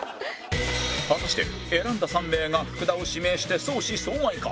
果たして選んだ３名が福田を指名して相思相愛か？